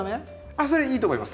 あっそれいいと思います。